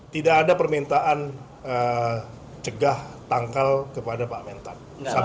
tidak ada permintaan cegah tangkal kepada pak mentan